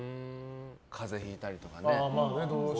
かぜひいたりとかね。